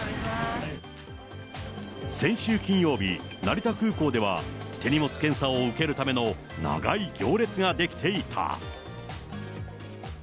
先週金曜日、成田空港では、手荷物検査を受けるための長い行列が出来ていた。